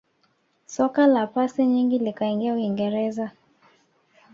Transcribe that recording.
soka la pasi nyingi likaingia uingereza